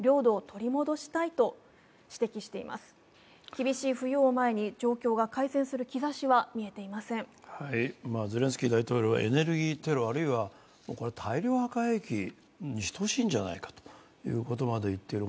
厳しい冬を前に状況が改善する兆しはゼレンスキー大統領はエネルギーテロ、あるいは大量破壊兵器に等しいんじゃないかということまで言っている、